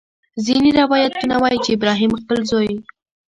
ځینې روایتونه وایي چې ابراهیم خپل زوی.